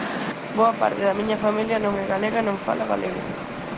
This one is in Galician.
Boa parte da miña familia non é galega e non fala galego.